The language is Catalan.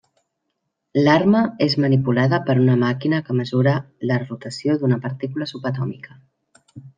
L'arma és manipulada per una màquina que mesura la rotació d'una partícula subatòmica.